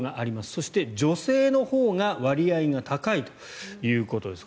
そして女性のほうが割合が高いということです。